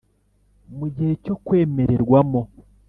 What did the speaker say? Mu gihe cyo kwemererwamo